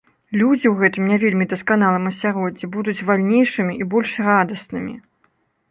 Людзі ў гэтым не вельмі дасканалым асяроддзі будуць вальнейшымі і больш радаснымі!